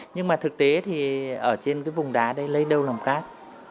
nhưng mà thực tế thì ở trên cái vùng đá đây lấy đâu làm cát